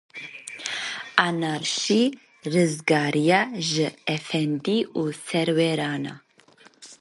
Anarşî, rizgariya ji efendî û serweran e.